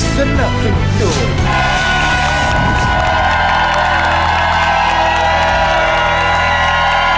สนับสนุน